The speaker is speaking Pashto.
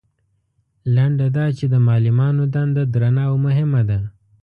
لنډه دا چې د معلمانو دنده درنه او مهمه ده.